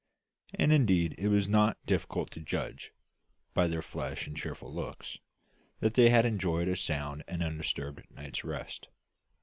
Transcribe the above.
And indeed it was not difficult to judge, by their fresh and cheerful looks, that they had enjoyed a sound and undisturbed night's rest.